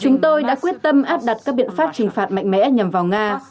chúng tôi đã quyết tâm áp đặt các biện pháp trừng phạt mạnh mẽ nhằm vào nga